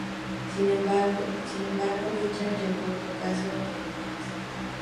Sin embargo, Richards llevó su caso a tribunales.